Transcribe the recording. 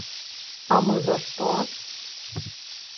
А мы за што?